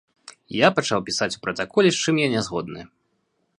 Я пачаў пісаць у пратаколе, з чым я нязгодны.